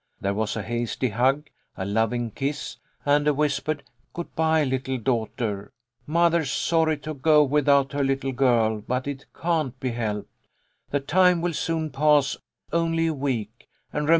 There was a hasty hug, a loving kiss, and a whis pered "Good bye, little daughter. Mother's sorry to go without her little girl, but it can't be helped. The time will soon pass only a week, and remem "TO BARLEY BRIGHT."